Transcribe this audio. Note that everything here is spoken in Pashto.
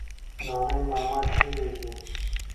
نانی ماما چيري ځې؟